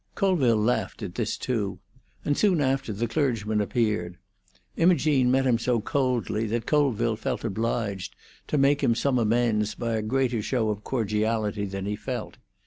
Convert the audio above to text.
Colville laughed at this too, and soon after the clergyman appeared. Imogene met him so coldly that Colville felt obliged to make him some amends by a greater show of cordiality than he felt.